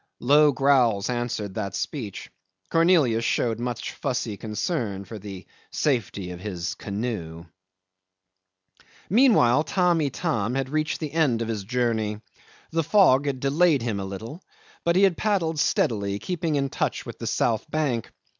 Low growls answered that speech. Cornelius showed much fussy concern for the safety of his canoe. 'Meantime Tamb' Itam had reached the end of his journey. The fog had delayed him a little, but he had paddled steadily, keeping in touch with the south bank.